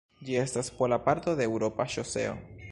Ĝi estas pola parto de eŭropa ŝoseo.